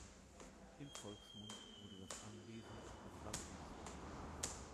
Im Volksmund wurde das Anwesen das „Landhaus“ genannt.